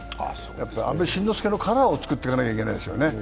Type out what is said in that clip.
やっぱり阿部慎之助のカラーを作っていかないといけないですよね。